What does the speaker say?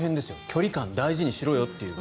距離感、大事にしろよという。